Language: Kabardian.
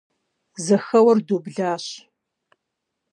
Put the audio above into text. Зэхэуэр дублащ.